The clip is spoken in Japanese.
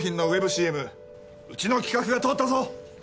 ＣＭうちの企画が通ったぞ。